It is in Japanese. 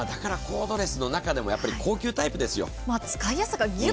だからコードレスの中でも高級タイプですよ。